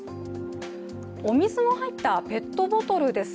お水の入ったペットボトルです。